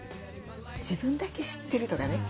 自分だけ知ってるとかね